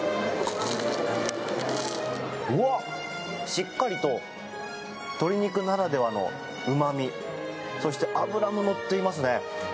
しっかりと鶏肉ならではのうま味そして、脂も乗っていますね。